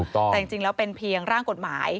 แต่จริงแล้วเป็นเพียงร่างกฎหมาย